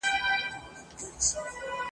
انګرېزان په شمېر تر پښتنو زیات ول.